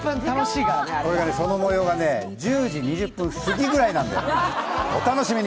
そのもようが１０時２０分すぎくらいなんでお楽しみに。